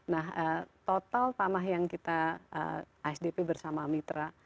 nah total tanah yang kita asdp bersama mitra